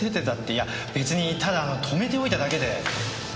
いや別にただ止めておいただけで。